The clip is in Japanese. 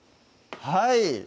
はい